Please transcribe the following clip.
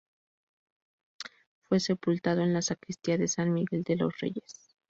Fue sepultado en la sacristía de San Miguel de los Reyes.